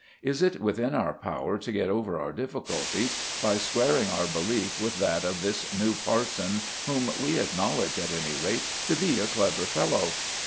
Is it within our power to get over our difficulties by squaring our belief with that of this new parson whom we acknowledge at any rate to be a clever fellow?